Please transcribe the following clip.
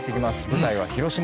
舞台は広島。